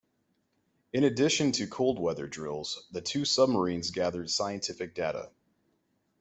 In addition to cold-weather drills, the two submarines gathered scientific data.